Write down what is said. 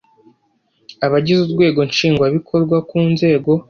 abagize urwego nshingwabikorwa ku nzego